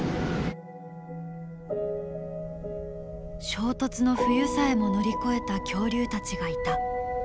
「衝突の冬さえも乗り越えた恐竜たちがいた」